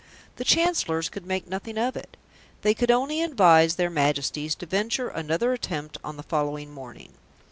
The Chancellors could make nothing of it. They could only advise their Majesties to venture another attempt on the following morning.